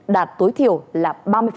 đạt tối thiểu là ba mươi